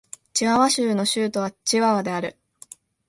チワワ州の州都はチワワである